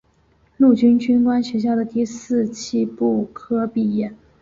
陆军军官学校第四期步科毕业。